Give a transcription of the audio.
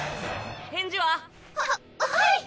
返事は？ははい！